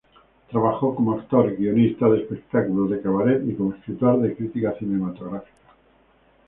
Trabajó como actor, guionista de espectáculos de cabaret y como escritor de críticas cinematográficas.